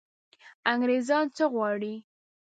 انګرېزان څه غواړي.